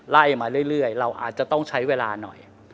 ไล่มาเรื่อยเราอาจจะต้องใช้เวลาหน่อย